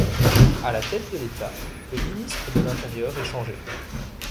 À la tête de l’État, le ministre de l'Intérieur est changé.